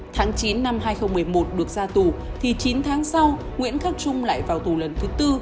tháng chín năm hai nghìn một mươi một được ra tù thì chín tháng sau nguyễn khắc trung lại vào tù lần thứ tư